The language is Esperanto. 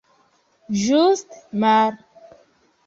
Ĝuste male!